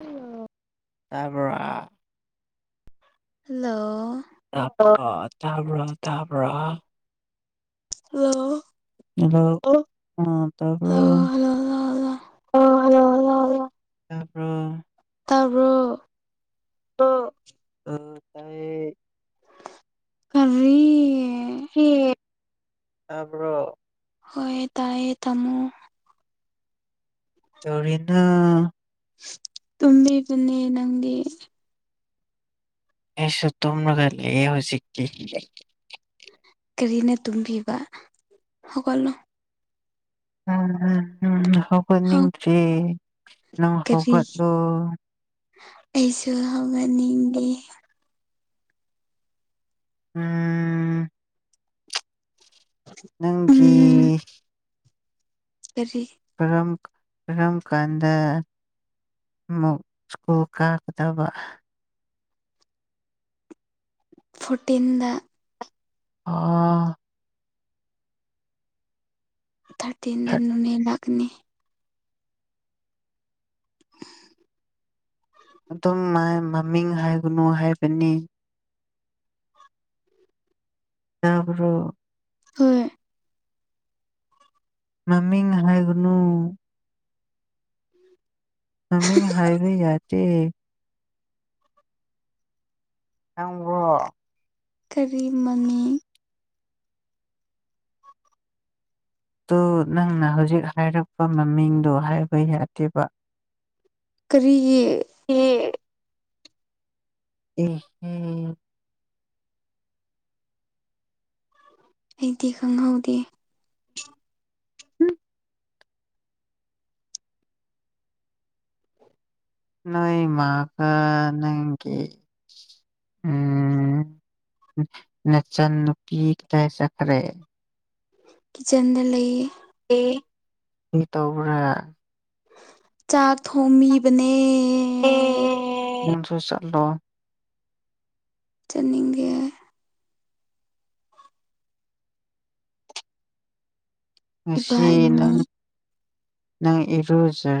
Hello ꯇꯥꯕ꯭ꯔꯥ hello ꯇꯥꯄ꯭ꯔꯣ ꯇꯥꯕ꯭ꯔꯣ ꯇꯥꯕ꯭ꯔꯥ ꯍꯜꯂꯣ ꯍꯜꯂꯣ ꯑꯣ ꯑꯥ ꯇꯥꯕ꯭ꯔꯣ ꯍꯜꯂꯣ ꯍꯜꯂꯣ ꯍꯜꯂꯣ ꯍꯜꯂꯣ ꯑꯥ ꯍꯜꯂꯣ ꯍꯜꯂꯣ ꯍꯜꯂꯣ ꯇꯥꯄ꯭ꯔꯣ ꯇꯥꯕ꯭ꯔꯣ ꯑꯣ ꯑ ꯇꯥꯏꯌꯦ ꯀꯔꯤ ꯑꯦ ꯇꯥꯕ꯭ꯔꯣ ꯍꯣꯏ ꯇꯥꯏꯌꯦ ꯇꯝꯃꯣ ꯇꯧꯔꯤꯅꯣ ꯇꯨꯝꯃꯤꯕꯅꯦ ꯅꯪꯗꯤ ꯑꯩꯁꯨ ꯇꯨꯝꯔꯒ ꯂꯩꯌꯦ ꯍꯧꯖꯤꯛꯇꯤ ꯀꯔꯤꯅ ꯇꯨꯝꯕꯤꯕ ꯍꯧꯒꯠꯂꯣ ꯎꯝ ꯎꯝ ꯎꯝ ꯍꯧ ꯍꯧꯒꯠꯅꯤꯡꯗ꯭ꯔꯦ ꯅꯪ ꯀꯔꯤ ꯍꯧꯒꯠꯂꯣ ꯑꯩꯁꯨ ꯍꯧꯒꯠꯅꯤꯡꯗꯦ ꯎꯝ ꯅꯪꯒꯤ ꯎꯝ ꯀꯔꯤ ꯀꯔꯝ ꯀꯔꯝ ꯀꯥꯟꯗ ꯃꯨꯛ ꯁ꯭ꯀꯨꯜ ꯀꯥꯒꯗꯕ ꯐꯣꯔꯇꯤꯟꯗ ꯑꯣ ꯊꯥꯔꯇꯤꯟꯗ ꯅꯨꯃꯦ ꯂꯥꯛꯀꯅꯤ ꯑꯗꯨꯝ ꯃ ꯃꯃꯤꯡ ꯍꯥꯏꯒꯅꯨ ꯍꯥꯏꯕꯅꯦ ꯇꯥꯕꯔꯣ ꯍꯣꯏ ꯅꯃꯤꯡ ꯍꯥꯏꯒꯅꯨ ꯅꯃꯤꯡ ꯍꯥꯏꯕ ꯌꯥꯗꯦ ꯅꯪꯕꯣ ꯀꯔꯤ ꯃꯃꯤꯡ ꯇꯨ ꯅꯪꯅ ꯍꯧꯖꯤꯛ ꯍꯥꯏꯔꯛꯄ ꯃꯃꯤꯡꯗꯣ ꯍꯥꯏꯕ ꯌꯥꯗꯦꯕ ꯀꯔꯤꯒꯤ ꯌꯦ ꯍꯨꯝ ꯍꯨꯝ ꯑꯩꯗꯤ ꯈꯪꯍꯧꯗꯦ ꯅꯣꯏ ꯃꯥꯒ ꯅꯪꯒꯤ ꯎꯝ ꯅꯆꯥꯟ ꯅꯨꯄꯤ ꯀꯥꯏ ꯆꯠꯈ꯭ꯔꯦ ꯀꯤꯠꯆꯟꯗ ꯂꯩꯌꯦ ꯑꯦ [unintelligible] ꯇꯧꯕ꯭ꯔꯥ ꯆꯥꯛ ꯊꯣꯡꯕꯤꯕꯅꯦ ꯑꯦ ꯅꯪꯁꯨ ꯆꯠꯂꯣ ꯆꯠꯅꯤꯡ ꯉꯁꯤ ꯅꯪ ꯏꯕꯥꯅꯤ ꯅꯪ ꯏꯔꯨꯖ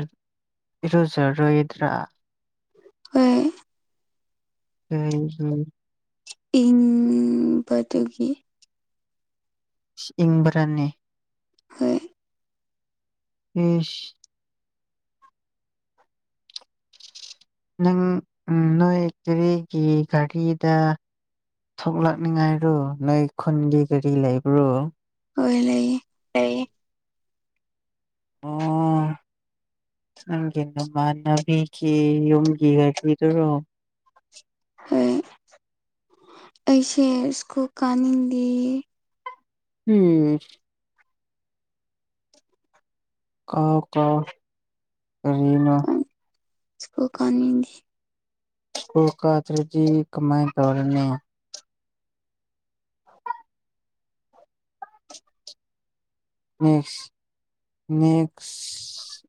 ꯏꯔꯨꯖꯔꯣꯏꯗ꯭ꯔꯥ ꯍꯣꯏ ꯑꯩ [unintelligible] ꯏꯪꯕꯗꯨꯒꯤ ꯏꯁ ꯏꯪꯕ꯭ꯔꯥꯅꯦ ꯍꯣꯏ꯫ ꯏꯁ ꯅꯪ ꯅꯣꯏ ꯀꯔꯤꯒꯤ ꯒꯥꯔꯤꯗ ꯊꯣꯛꯂꯛꯅꯤꯡꯉꯥꯏꯔꯣ ꯅꯣꯏ ꯈꯨꯟꯒꯤ ꯒꯥꯔꯤ ꯂꯩꯕ꯭ꯔꯣ ꯍꯣꯏ ꯂꯩꯌꯦ ꯂꯩꯌꯦ ꯑꯣ [inaudible] ꯅꯪꯒꯤ ꯅꯃꯥꯟꯅꯕꯤꯒꯤ ꯌꯨꯝꯒꯤ ꯒꯥꯔꯤꯗꯨꯔꯣ ꯍꯣꯏ ꯑꯩꯁꯦ ꯁ꯭ꯀꯨꯜ ꯀꯥꯅꯤꯡꯗꯤꯌꯦ ꯍꯨꯝ ꯀꯥꯎ ꯀꯥꯎ ꯀꯔꯤꯅꯣ ꯁ꯭ꯀꯨꯜ ꯀꯥꯅꯤꯡꯗꯦ ꯁ꯭ꯀꯨꯜ ꯀꯥꯗ꯭ꯔꯥꯗꯤ ꯀꯃꯥꯏ ꯇꯧꯔꯅꯤ ꯅꯦꯛꯁ ꯅꯦꯛꯁ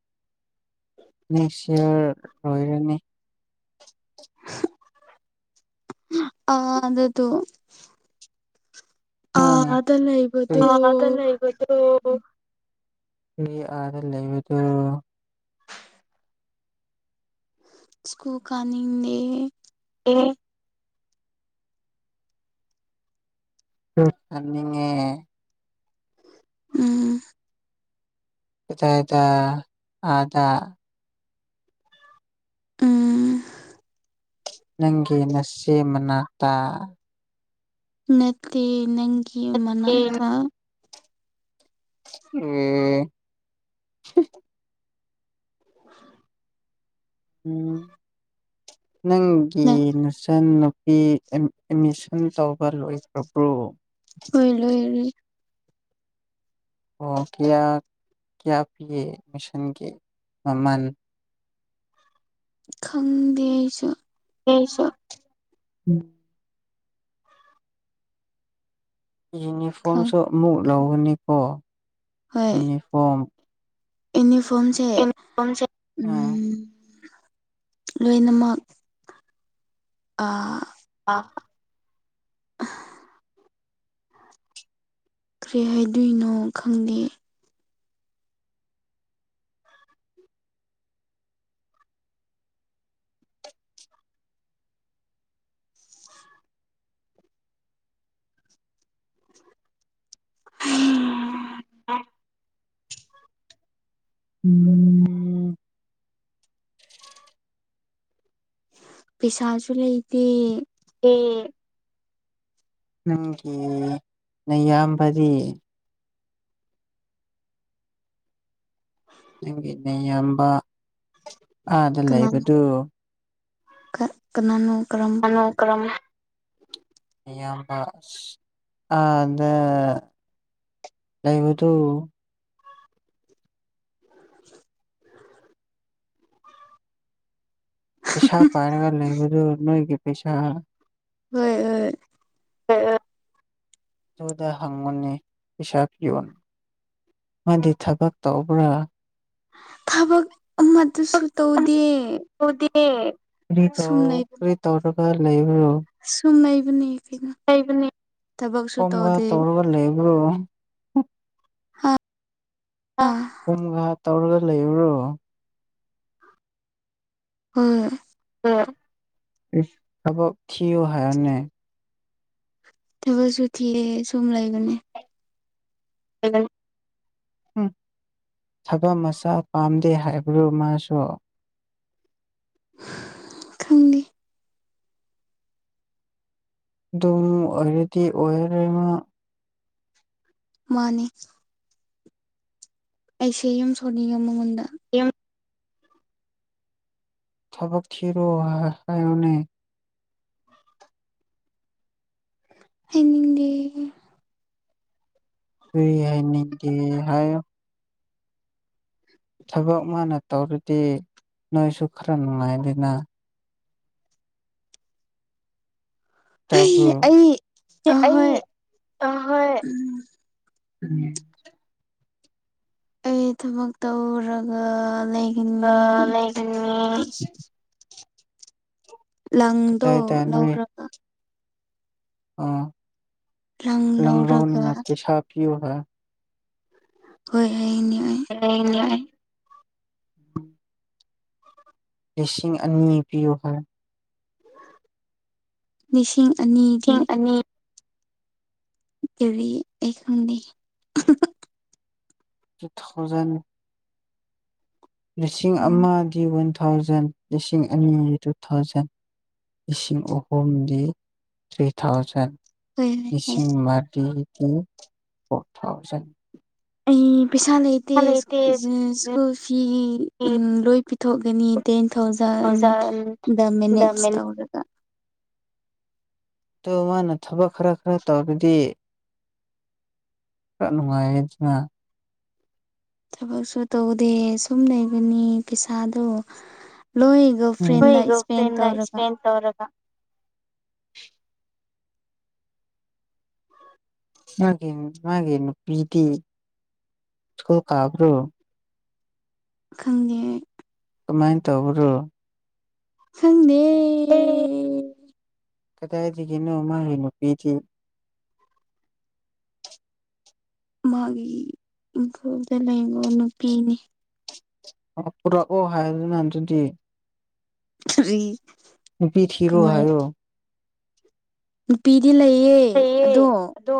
ꯅꯦꯛꯁ ꯏꯌꯔ ꯂꯣꯏꯔꯅꯤ ꯑꯥ ꯗꯨꯗꯣ ꯑꯗꯥ ꯂꯩꯕꯗꯣ ꯕꯗꯣ ꯃꯤ ꯑꯗꯥ ꯂꯩꯕꯗꯣ ꯁ꯭ꯀꯨꯜ ꯀꯥꯅꯤꯡꯅꯦ ꯑꯦ ꯔꯨꯞ ꯊꯥꯛꯅꯤꯡꯉꯦ ꯎꯝ꯫ ꯀꯗꯥꯢꯗ ꯑꯗꯥ ꯎꯝ꯫ ꯅꯪꯒꯤ ꯅꯥꯁꯦ ꯃꯅꯥꯛꯇ ꯅꯠꯇꯦ ꯅꯪꯒꯤ ꯑꯦ ꯃꯅꯥꯛꯇ [inaudible] [inaudible] ꯎꯝ ꯅꯪꯒꯤ ꯅꯪ ꯅꯆꯥꯟꯅꯨꯞ ꯑꯦ ꯑꯦꯠ ꯑꯦꯠꯃꯤꯁꯟ ꯇꯧꯕ ꯂꯣꯏꯈ꯭ꯔꯕ꯭ꯔꯣ ꯍꯣꯏ ꯂꯣꯏꯔꯦ ꯑꯣ ꯀ꯭ꯌꯥ ꯀ꯭ꯌꯥ ꯄꯤꯌꯦ ꯑꯦꯃꯤꯁꯟꯒꯤ ꯃꯃꯜ ꯈꯪꯗꯦ ꯑꯩꯁꯨ ꯑꯩꯁꯨ ꯈꯪ ꯌꯨꯅꯤꯐꯣꯔꯝꯁꯨ ꯑꯃꯨꯛ ꯂꯧꯒꯅꯤꯀꯣ ꯌꯨꯅꯤꯐꯣꯔꯝ ꯏꯅꯤꯐꯣꯔꯝꯁꯦ ꯎꯝ ꯂꯣꯏꯅꯃꯛ ꯑꯥ ꯑꯥ ꯀ꯭ꯔꯤ ꯍꯥꯏꯗꯨꯏꯅꯣ ꯈꯪꯗꯦ [unintelligible] ꯑꯥꯢ ꯎꯝ ꯄꯤꯁꯥꯁꯨ ꯂꯩꯇꯦ ꯑꯦ ꯅꯪꯒꯤ ꯅꯌꯥꯝꯕꯗꯤ ꯅꯪꯒꯤ ꯅꯌꯥꯝꯕ ꯑꯥꯗ ꯂꯩꯕꯗꯨ ꯀ ꯀꯅꯥꯅꯣ ꯀꯔꯝꯕ ꯀꯅꯥ ꯀꯔꯝ ꯅꯌꯥꯝꯕ ꯑꯁ ꯑꯥꯗ ꯂꯩꯕꯗꯨ [inaudible] ꯄꯩꯁꯥ ꯄꯥꯏꯔꯒ ꯂꯩꯕꯗꯨ ꯅꯣꯏꯒꯤ ꯄꯩꯁꯥ ꯍꯣꯏ ꯍꯣꯏ ꯑꯦꯑꯦ ꯑꯗꯨꯗ ꯍꯪꯕꯅꯦ ꯄꯤꯁꯥ ꯄꯤꯌꯣꯟ ꯃꯥꯗꯤ ꯊꯕꯛ ꯇꯧꯕ꯭ꯔꯥ ꯊꯕꯛ ꯑꯃꯗꯨꯁꯨ ꯇꯧꯗꯦ ꯇꯧꯗꯦ ꯀ꯭ꯔꯤ ꯁꯨꯝ ꯇꯧ ꯂꯩꯕꯅꯤ ꯀ꯭ꯔꯤ ꯇꯧꯔꯒ ꯂꯩꯕ꯭ꯔꯣ ꯁꯨꯝ ꯂꯩꯕꯅꯤ ꯀꯩꯅꯣ ꯂꯩꯕꯅꯦ ꯊꯕꯛꯁꯨ ꯍꯣꯝ ꯇꯧꯗꯦ ꯒꯥꯔ꯭ꯗ ꯇꯧꯔꯒ ꯂꯩꯕ꯭ꯔꯣ ꯍꯥ ꯑꯥ ꯍꯣꯝ ꯒꯥꯔ꯭ꯗ ꯇꯧꯔꯒ ꯂꯩꯕ꯭ꯔꯣ ꯍꯣꯏ ꯑꯥ ꯊꯕꯛ ꯊꯤꯌꯨ ꯍꯥꯏꯌꯨꯅꯦ ꯊꯕꯛꯁꯨ ꯊꯦꯑꯦ ꯁꯨꯝ ꯂꯩꯕꯅꯦ [unintelligible] ꯎꯝ ꯊꯕꯛ ꯃꯆꯥ ꯄꯥꯝꯗꯦ ꯍꯥꯏꯕ꯭ꯔꯣ ꯃꯥꯁꯨ ꯈꯪꯗꯦ ꯑꯗꯨꯝ ꯑꯣꯏꯔꯗꯤ ꯑꯣꯏꯔꯔꯣꯢ ꯃꯥ ꯃꯥꯅꯤ ꯑꯩꯁꯦ ꯌꯥꯝ ꯁꯧꯅꯤꯉꯦ ꯃꯉꯣꯟꯗ ꯌꯥꯝ ꯊꯕꯛ ꯊꯤꯔꯣ ꯍꯥꯏ ꯍꯥꯢꯌꯨꯅꯦ ꯍꯥꯏꯅꯤꯡꯗꯦ ꯀ꯭ꯔꯤ ꯍꯥꯏ ꯅꯤꯡꯒꯦ ꯍꯥꯏꯌꯨ ꯊꯕꯛ ꯃꯥꯅ ꯇꯧꯔꯗꯤ ꯅꯣꯏꯁꯨ ꯈꯔ ꯅꯨꯡꯉꯥꯏꯔꯦꯗꯅ ꯇꯥꯕ꯭ꯔꯣ ꯑꯩ ꯑꯩ ꯑꯍꯣꯏ ꯑꯥ ꯍꯣꯏ ꯎꯝ ꯎꯝ ꯑꯩ ꯊꯕꯛ ꯇꯧꯔꯒ ꯂꯩ ꯑꯥ ꯂꯩꯒꯅꯤ ꯂꯪꯗꯣ ꯀꯗꯥꯏꯗ ꯅꯣꯏ ꯂꯧꯔꯛ ꯑ ꯂꯪ ꯂꯧꯅꯤꯡꯉꯥꯢ ꯄꯩꯁꯥ ꯄꯤꯌꯣꯕ ꯍꯣꯏ [unintelligible] [unintelligible] ꯂꯤꯁꯤꯡ ꯑꯅꯤ ꯄꯤꯌꯨꯕ ꯂꯤꯁꯤꯡ ꯑꯅꯤꯗꯤ ꯂꯤꯁꯤꯡ ꯑꯅꯤ ꯀꯔꯤ ꯑꯩ ꯈꯪꯗꯦ ꯇꯨ ꯊꯥꯎꯖꯟ ꯂꯤꯁꯤꯡ ꯑ ꯑꯃꯗꯤ ꯋꯥꯟ ꯊꯥꯎꯖꯟ ꯂꯤꯁꯤꯡ ꯑꯅꯤꯗꯤ ꯇꯨ ꯊꯥꯎꯖꯟ ꯂꯤꯁꯤꯡ ꯑꯍꯨꯝꯗꯤ ꯊ꯭ꯔꯤ ꯊꯥꯎꯖꯟ ꯍꯣꯏ ꯍꯣꯏ ꯍꯣꯏ ꯏꯁꯤꯡ ꯃꯔꯤꯗꯤ ꯐꯣꯔ ꯊꯥꯎꯖꯟ ꯑꯩ ꯄꯩꯁꯥ ꯂꯩꯇꯦ ꯁ꯭ꯀꯨꯜ ꯐꯤ ꯎꯝ ꯂꯣꯏ ꯄꯤꯊꯣꯛꯒꯅꯤ ꯇꯦꯟ ꯊꯥꯎꯖꯟ ꯗ ꯃꯦꯅꯦꯖ ꯇꯧꯔꯒ ꯇꯣ ꯃꯥꯅ ꯊꯕꯛ ꯈꯔ ꯈꯔ ꯇꯧꯔꯗꯤ ꯈꯔ ꯅꯨꯡꯉꯥꯏꯔꯦꯗꯅ ꯊꯕꯛꯁꯨ ꯇꯧꯗꯦ ꯁꯨꯝ ꯂꯩꯕꯅꯤ ꯄꯩꯁꯥꯗꯣ ꯂꯣꯏ ꯗꯣ ꯎꯝ ꯅꯣꯏ ꯐ꯭ꯔꯦꯟꯅ ꯒꯔꯜ ꯏꯁꯄꯦꯟ ꯐ꯭ꯔꯦꯟꯒ ꯇꯧꯔꯒ ꯏꯁꯄꯦꯟ ꯇꯧꯔꯒ ꯃꯥꯒꯤ ꯃꯥꯒꯤ ꯅꯨꯄꯤꯗꯤ ꯁ꯭ꯀꯨꯜ ꯀꯥꯕ꯭ꯔꯣ ꯈꯪꯗꯦ ꯑꯩ ꯀꯃꯥꯏ ꯇꯧꯕ꯭ꯔꯣ ꯈꯪꯗꯦ ꯀꯗꯥꯏꯗꯒꯤꯅꯣ ꯃꯥꯒꯤ ꯅꯨꯄꯤꯗꯤ ꯃꯥꯒꯤ ꯏꯪꯈꯣꯜꯗ ꯂꯩꯕ ꯅꯨꯄꯤꯅꯤ ꯑꯣ ꯄꯨꯔꯛꯑꯣ ꯍꯥꯏꯌꯨꯗꯅ ꯑꯗꯨꯗꯤ ꯐ꯭ꯔꯤ ꯅꯨꯄꯤ ꯊꯤꯔꯣ ꯍꯥꯏꯌꯣ ꯅꯨꯄꯤꯗꯤ ꯂꯩꯌꯦ ꯂꯩꯌꯦ ꯑꯗꯣ ꯑꯗꯣ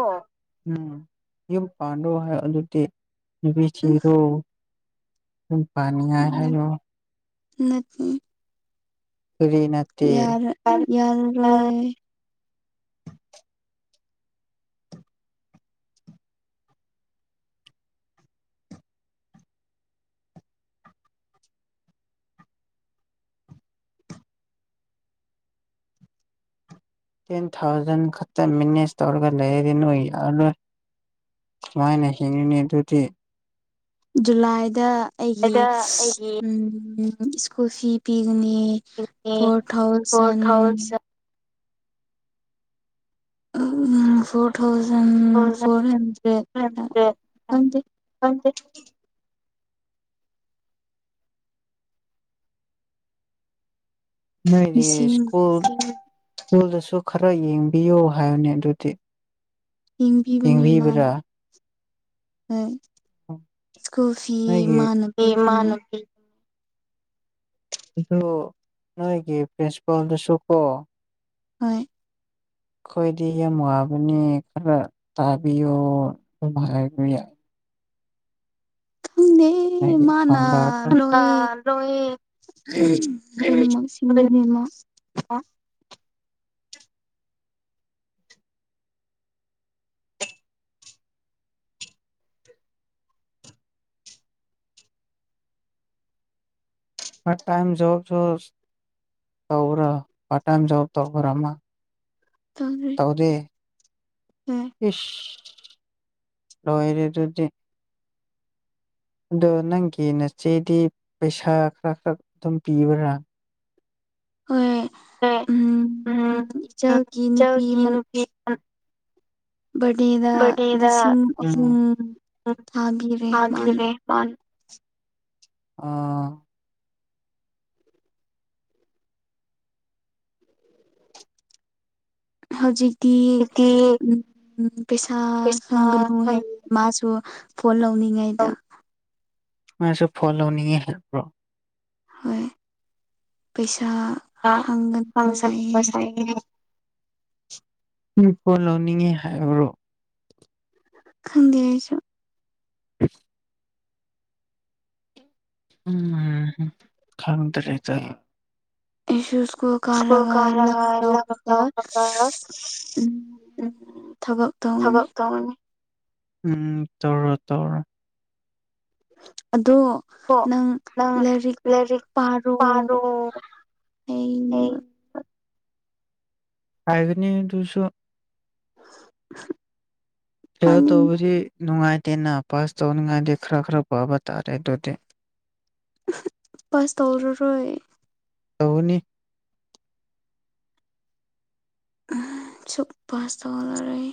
ꯎꯝ ꯌꯨꯝ ꯄꯥꯟꯔꯣ ꯍꯥꯏꯌꯣ ꯑꯗꯨꯗꯤ ꯅꯨꯕꯤ ꯎꯝ ꯊꯤꯔꯣ ꯌꯨꯝ ꯄꯥꯟꯅꯤꯉꯥꯢ ꯍꯥꯢꯔꯣ ꯅꯠꯇꯦ ꯀꯔꯤ ꯅꯠ ꯌꯥꯔ ꯌꯥꯔꯔꯣꯢ ꯇꯦꯟ ꯊꯥꯎꯖꯟ ꯈꯛꯇ ꯃꯦꯅꯦꯖ ꯇꯧꯔꯒ ꯂꯩꯔꯗꯤ ꯅꯣꯏ ꯌꯥꯔꯔꯣꯏ ꯀꯃꯥꯏꯅ ꯍꯤꯡꯅꯤ ꯑꯗꯨꯗꯤ ꯖꯨꯂꯥꯏꯗ ꯑꯩꯒꯤ ꯑꯗ ꯑꯩꯒꯤ [unintelligible] ꯎꯝ ꯁ꯭ꯀꯨꯜ ꯐꯤ ꯄꯤꯒꯅꯤ ꯐꯣꯔ ꯐꯣꯔ ꯊꯥꯎꯖꯟ ꯊꯥꯎꯖꯟ ꯑ ꯐꯣꯔ ꯊꯥꯎꯖꯟ ꯐꯣꯔ ꯍꯟꯗ꯭ꯔꯦꯠꯇ ꯈꯪꯗꯦ ꯄꯥꯝꯗꯦ ꯅꯣꯏꯗꯤ ꯂꯤꯁꯤꯡ ꯁ꯭ꯀꯨꯜ ꯁ꯭ꯀꯨꯜꯗꯁꯨ ꯈꯔ ꯌꯦꯡꯕꯤꯌꯣ ꯍꯥꯏꯌꯣꯅꯦ ꯑꯗꯨꯗꯤ ꯌꯦꯡꯕꯤꯕꯅꯦ ꯃꯥꯅ ꯌꯦꯡꯕꯤꯕ꯭ꯔꯥ ꯍꯣꯏ ꯁ꯭ꯀꯨꯜ ꯐꯤ ꯅꯣꯏꯒꯤ ꯃꯥꯥꯟꯅ ꯏꯃꯥ ꯄꯤꯕꯅꯦ ꯅꯨꯄꯤ ꯑꯗꯣ ꯅꯣꯏꯒꯤ ꯄꯦꯁꯄꯥꯜꯗꯁꯨ ꯀꯣ ꯍꯣꯏ ꯈꯣꯏꯗꯤ ꯌꯥꯝ ꯋꯥꯕꯅꯦ ꯈꯔ ꯇꯥꯕꯤꯌꯣ ꯑꯗꯨꯝ ꯍꯥꯏꯕ ꯌꯥꯏ ꯈꯪꯗꯦ ꯃꯥꯅ ꯂꯣꯏ [unintelligible] ꯂꯣꯏꯅꯃꯛ ꯁꯤꯡꯕꯅ‌ꯦꯕ ꯄꯥꯔꯠ ꯇꯥꯏꯝ ꯖꯣꯕꯁꯨ ꯇꯧꯕ꯭ꯔꯥ ꯄꯥꯔꯠ ꯇꯥꯏꯝ ꯖꯣꯕ ꯇꯧꯕꯔꯥ ꯑꯃ ꯇꯧꯔꯤ ꯇꯧꯗ ꯍꯣꯏ ꯏꯁ ꯂꯣꯢꯔꯦ ꯑꯗꯨꯗꯤ ꯑꯗꯣ ꯅꯪꯒꯤ ꯅꯆꯦꯗꯤ ꯄꯩꯁꯥ ꯈꯔ ꯈꯔ ꯑꯗꯨꯝ ꯄꯤꯕꯔꯥ ꯍꯣꯏ ꯍꯣꯏ ꯑꯝ ꯎꯝ ꯏꯆꯜꯒꯤ ꯅꯨꯄꯤ ꯑꯃ ꯕꯔꯗꯦꯗ ꯕꯥꯔꯗꯦꯗ ꯂꯤꯁꯤꯡ ꯎꯝ ꯑꯍꯨꯝ ꯊꯥꯕꯤꯔꯦ ꯃꯥꯅ ꯊꯥꯕꯤꯔꯦ ꯃꯥꯅ ꯑꯣ ꯍꯧꯖꯤꯛꯇꯤ ꯍꯧꯖꯤꯛꯇꯤ ꯎꯝ ꯄꯩꯁꯥ ꯍꯪꯒꯅꯨ ꯄꯩꯁꯥ ꯍꯥꯏꯑꯦ ꯃꯥꯁꯨ ꯐꯣꯟ ꯂꯧꯅꯤꯡꯉꯥꯏ ꯃꯥꯁꯨ ꯐꯣꯟ ꯂꯧꯅꯤꯡꯉꯦ ꯍꯥꯏꯕ꯭ꯔꯣ ꯍꯣꯏ ꯄꯩꯁꯥ ꯍꯪꯒꯅꯨ ꯉꯁꯥꯏ [unintelligible] ꯄꯣꯠ ꯂꯧꯅꯤꯡꯉꯦ ꯍꯥꯏꯕ꯭ꯔꯣ ꯈꯪꯗꯦ ꯑꯩꯁꯨ [unintelligible] ꯈꯪꯗ꯭ꯔ‌ꯦ ꯇꯧꯋꯤ ꯑꯩꯁꯨ ꯁ꯭ꯀꯨꯜ ꯁꯀꯨꯜ ꯀꯥꯔꯒ ꯂꯝ ꯂꯧꯔꯒ ꯀꯥꯔꯒ ꯎꯝ ꯎꯝ ꯊꯕꯛ ꯇꯧꯒꯅꯤ ꯊꯕꯛ ꯇꯧꯔꯅꯤ ꯎꯝ ꯇꯧꯔꯣ ꯇꯧꯔꯣ ꯑꯗꯨ ꯀꯣ ꯅꯪ ꯂꯥꯏꯔꯤꯛ ꯄꯥꯔꯣ ꯑꯩ ꯄꯥꯏꯒꯅꯤ ꯑꯗꯨꯁꯨ [inaudible] ꯐꯦꯜ ꯄꯥꯅꯤꯡ ꯇꯧꯕꯗꯤ ꯅꯨꯡꯉꯥꯏꯇꯦꯅ ꯄꯥꯁ ꯇꯧꯅꯤꯡꯉꯥꯏꯗꯤ ꯈꯔ ꯈꯔ ꯄꯥꯕ ꯇꯥꯔꯦ ꯑꯗꯨꯗꯤ ꯑꯍ ꯄꯥꯁ ꯇꯧꯔꯔꯣꯏ ꯇꯧꯒꯅꯤ ꯑꯍ ꯁꯨꯛ ꯄꯥꯁ ꯇꯧꯂꯔꯣꯏ